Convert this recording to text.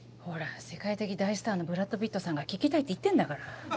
ほら世界的大スターのブラッド・ピットさんが聞きたいって言ってんだから。